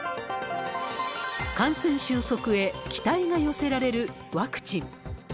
感染収束へ期待が寄せられるワクチン。